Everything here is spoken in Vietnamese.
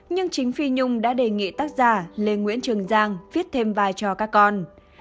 nhưng chính phi nhung đã đề nghị tác giả lê nguyễn trường giang viết thêm vai trò các con